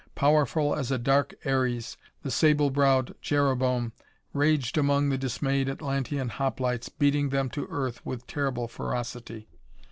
Powerful as a dark Ares the sable browed Jereboam raged among the dismayed Atlantean hoplites, beating them to earth with terrible ferocity.